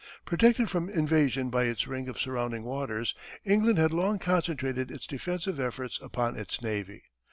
Protected from invasion by its ring of surrounding waters, England had long concentrated its defensive efforts upon its navy.